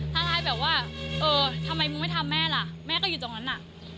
ท้าทายแบบว่าเออทำไมมึงไม่ทำแม่ล่ะแม่ก็อยู่ตรงนั้นน่ะ